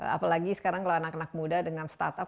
apalagi sekarang kalau anak anak muda dengan startup